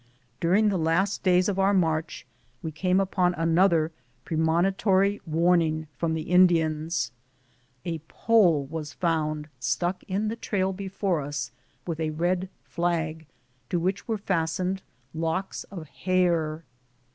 During the last days of our march we came upon an other premonitory warning from the Indians. A pole was found stuck in the trail before us, with a red flag, to which were fastened locks of hair.